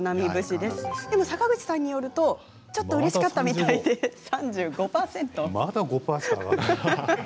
でも坂口さんによるとうれしかったみたいで３５％。